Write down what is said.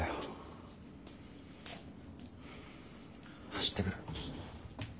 走ってくる。